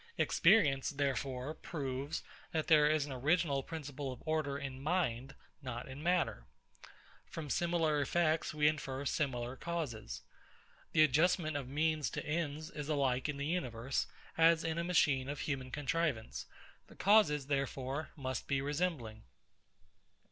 Experience, therefore, proves, that there is an original principle of order in mind, not in matter. From similar effects we infer similar causes. The adjustment of means to ends is alike in the universe, as in a machine of human contrivance. The causes, therefore, must be resembling.